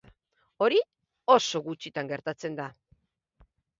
Hori oso gutxitan gertatzen da.